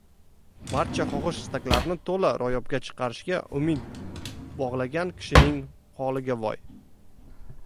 barcha xohish-istaklarini to‘la ro‘yobga chiqarishga umid bog‘lagan kishining holiga voy!